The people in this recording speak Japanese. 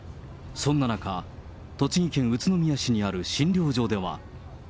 そんな中、栃木県宇都宮市にある診療所では。